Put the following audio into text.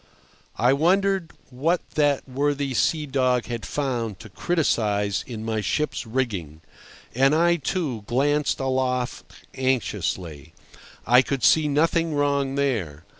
I wondered what that worthy sea dog had found to criticise in my ship's rigging. And I, too, glanced aloft anxiously. I could see nothing wrong there.